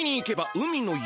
海の家！？